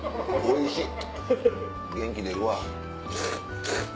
おいしい。